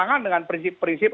tentangan dengan prinsip prinsip